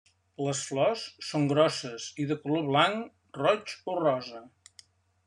Les flors són grosses i de color blanc, roig o rosa.